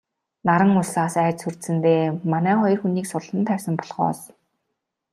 Наран улсаас айж сүрдсэндээ манай хоёр хүнийг суллан тавьсан болохоос...